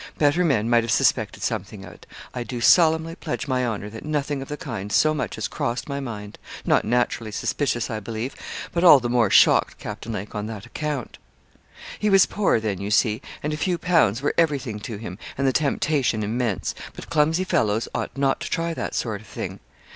'Better men might have suspected something of it I do solemnly pledge my honour that nothing of the kind so much as crossed my mind not naturally suspicious, I believe, but all the more shocked, Captain Lake, on that account' 'He was poor then, you see, and a few pounds were everything to him, and the temptation immense; but clumsy fellows ought not to try that sort of thing.